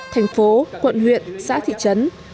thành phố quận huyện xã thị trấn